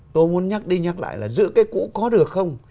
tôi muốn nhắc đi nhắc lại là giữ cái cũ có được không